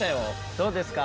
どうですか？